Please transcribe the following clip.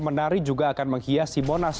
menari juga akan menghiasi monas